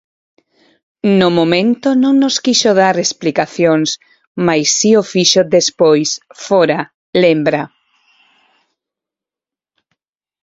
No momento non nos quixo dar explicacións mais si o fixo despois, fóra, lembra.